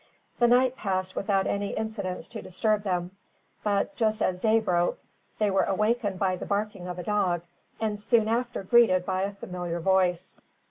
The night passed without any incidents to disturb them; but, just as day broke, they were awakened by the barking of a dog, and soon after greeted by a familiar voice.